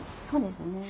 そうですね。